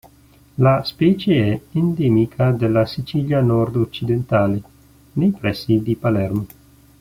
La specie è endemica della Sicilia nord-occidentale, nei pressi di Palermo.